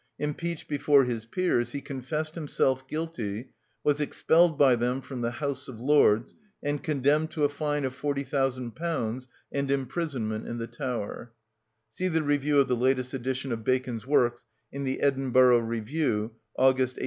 Impeached before his peers, he confessed himself guilty, was expelled by them from the House of Lords, and condemned to a fine of forty thousand pounds and imprisonment in the Tower" (see the review of the latest edition of Bacon's Works in the Edinburgh Review, August 1837).